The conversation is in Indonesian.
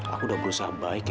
aku udah berusaha baiknya